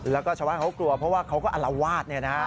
แล้วก็ชาวบ้านเขากลัวเพราะว่าเขาก็อลวาด